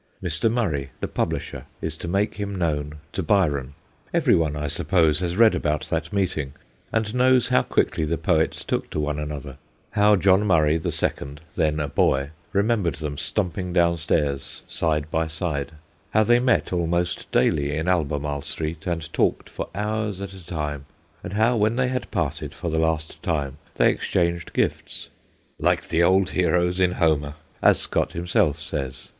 Mr. Murray, SCOTT AND BYRON 199 the publisher, is to make him known to Byron. Every one, I suppose, has read about that meeting, and knows how quickly the poets took to one another ; how John Murray the second, then a boy, remembered them stumping downstairs side by side ; how they met almost daily in Albemarle Street and talked for hours at a time, and how when they had parted for the last time they ex changed gifts, * like the old heroes in Homer/ as Scott himself says.